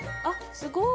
すごい。